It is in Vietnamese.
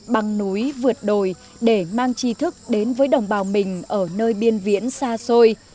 băng núi vượt đồi để mang chi thức đến với đồng bào mình ở nơi biên viễn xa xôi